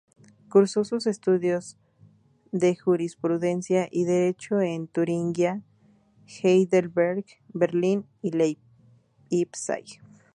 Cursó sus estudios de Jurisprudencia y Derecho en Turingia, Heidelberg, Berlín y Leipzig.